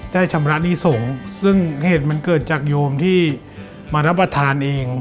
ชำระหนี้สงฆ์ซึ่งเหตุมันเกิดจากโยมที่มารับประทานเอง